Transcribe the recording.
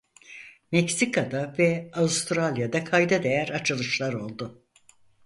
Meksika'da ve Avustralya'da kayda değer açılışlar oldu.